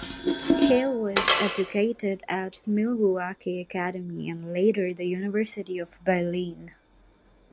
Heyl was educated at Milwaukee Academy and later the University of Berlin.